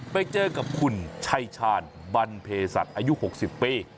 ไปเจอกับคุณชัยชาญบันเพศัตริย์อายุ๖๐ปี